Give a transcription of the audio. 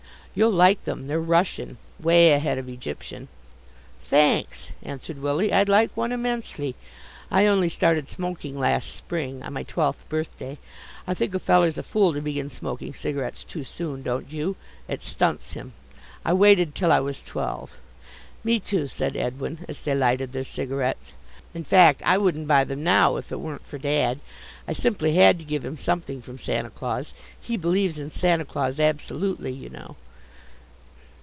You'll like them, they're Russian away ahead of Egyptian." "Thanks," answered Willie. "I'd like one immensely. I only started smoking last spring on my twelfth birthday. I think a feller's a fool to begin smoking cigarettes too soon, don't you? It stunts him. I waited till I was twelve." "Me too," said Edwin, as they lighted their cigarettes. "In fact, I wouldn't buy them now if it weren't for Dad. I simply had to give him something from Santa Claus. He believes in Santa Claus absolutely, you know."